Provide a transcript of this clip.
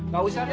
gak usah deh